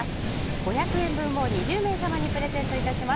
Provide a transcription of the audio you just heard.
５００円分を２０名様にプレゼントします。